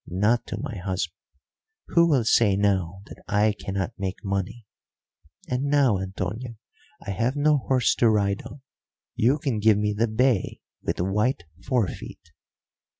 Not to my husband. Who will say now that I cannot make money? And now, Antonio, I have no horse to ride on, you can give me the bay with white forefeet."